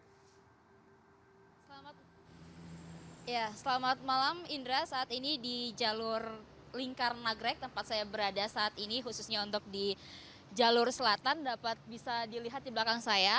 ya selamat malam indra saat ini di jalur lingkar nagrek tempat saya berada saat ini khususnya untuk di jalur selatan dapat bisa dilihat di belakang saya